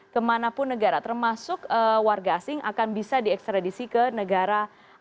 kemana pun negara termasuk warga asing akan bisa diekstradisi ke negara asing